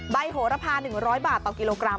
โหระพา๑๐๐บาทต่อกิโลกรัม